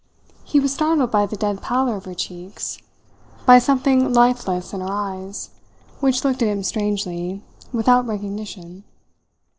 He was startled by the dead pallor of her cheeks, by something lifeless in her eyes, which looked at him strangely, without recognition.